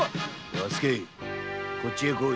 和助こっちへ来い！